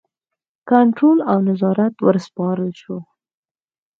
کنټرول او نظارت وسپارل شو.